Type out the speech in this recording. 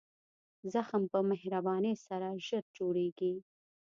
زخم په مهربانۍ سره ژر جوړېږي.